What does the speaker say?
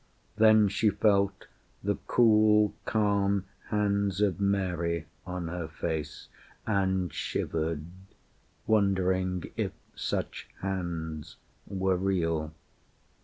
Then she felt The cool calm hands of Mary on her face, And shivered, wondering if such hands were real.